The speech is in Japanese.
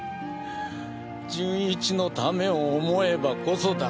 純一のためを思えばこそだ。